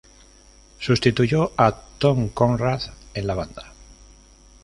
Sustituyó a Tom Conrad en la banda.